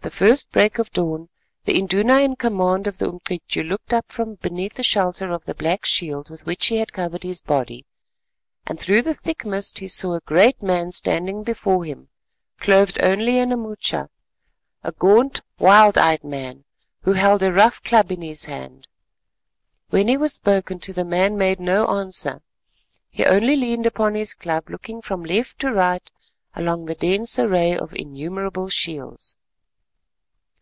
At the first break of dawn the Induna in command of the Umcityu looked up from beneath the shelter of the black shield with which he had covered his body, and through the thick mist he saw a great man standing before him, clothed only in a moocha, a gaunt wild eyed man who held a rough club in his hand. When he was spoken to, the man made no answer; he only leaned upon his club looking from left to right along the dense array of innumerable shields.